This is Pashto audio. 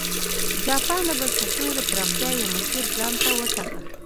جاپان د بنسټونو د پراختیا یو مسیر ځان ته وټاکه.